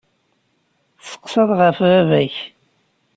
Tesseqsaḍ ɣef baba-k.